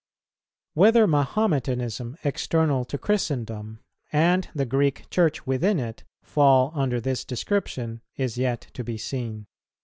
Whether Mahometanism external to Christendom, and the Greek Church within it, fall under this description is yet to be seen.